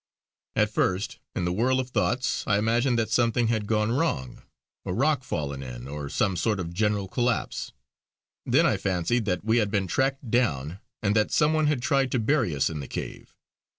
At first, in the whirl of thoughts, I imagined that something had gone wrong, a rock fallen in, or some sort of general collapse. Then I fancied that we had been tracked down, and that some one had tried to bury us in the cave.